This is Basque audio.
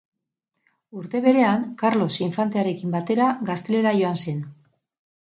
Urte berean, Karlos infantearekin batera, Gaztelara joan zen.